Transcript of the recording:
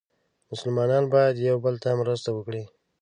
مسلمانان باید یو بل ته مرسته وکړي.